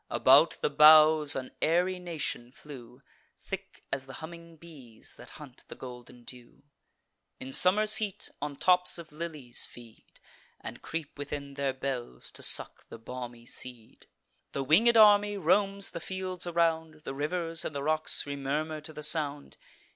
About the boughs an airy nation flew, Thick as the humming bees, that hunt the golden dew; In summer's heat on tops of lilies feed, And creep within their bells, to suck the balmy seed: The winged army roams the fields around; The rivers and the rocks remurmur to the sound.